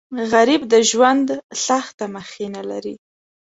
غریب د ژوند سخته مخینه لري